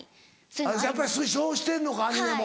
やっぱりそうしてんのかアニメも。